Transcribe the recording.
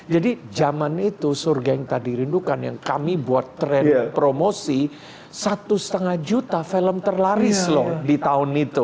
jadi zaman itu surga yang tak dirindukan yang kami buat tren promosi satu lima juta film terlaris loh di tahun itu